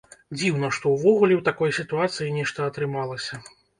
Дзіўна, што ўвогуле ў такой сітуацыі нешта атрымалася.